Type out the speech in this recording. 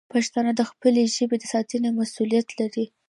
پښتانه د خپلې ژبې د ساتنې مسوولیت لري.